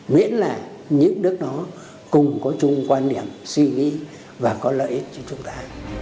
miễn là những nước đó cùng có chung quan điểm suy nghĩ và có lợi ích cho chúng ta